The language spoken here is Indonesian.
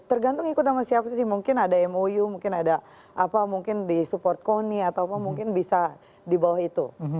tergantung ikut sama siapa sih mungkin ada mou mungkin ada apa mungkin di support koni atau apa mungkin bisa di bawah itu